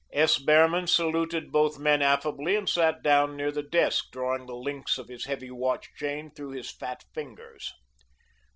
S. Behrman saluted both men affably and sat down near the desk, drawing the links of his heavy watch chain through his fat fingers.